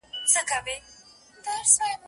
چي بنده کله مغروره په خپل ځان سي